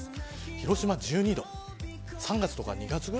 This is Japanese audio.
広島１２度です。